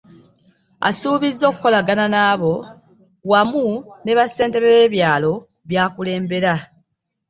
Asuubizza okukolagana n’abo, wamu ne bassentebe b’ebyalo by’akulembera